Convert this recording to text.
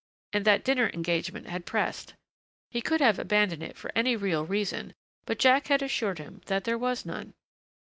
And that dinner engagement had pressed. He could have abandoned it for any real reason, but Jack had assured him that there was none.